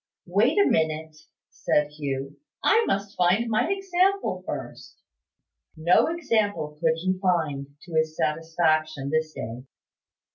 "Wait a minute," said Hugh. "I must find my example first." No example could he find, to his satisfaction, this day.